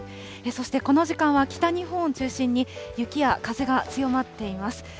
そしてこの時間は北日本を中心に雪や風が強まっています。